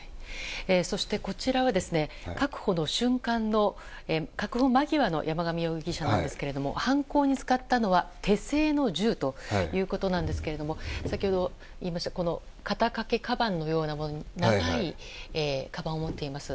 そして、こちらは確保間際の山上容疑者なんですが犯行に使ったのは手製の銃ということですが先ほど言いました肩掛けかばんのような長いかばんを持っています。